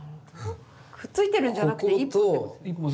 くっついてるんじゃなくて一本。